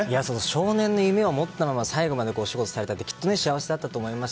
少年の夢を持ったまま最後までお仕事されてきっと幸せだったと思います。